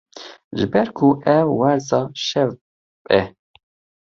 ji ber ku ev werza şewb e